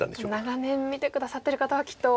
長年見て下さってる方はきっと。